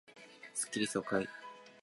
スッキリ爽快